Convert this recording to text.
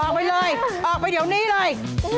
ออกไปเลยออกไปเดี๋ยวนี้เลย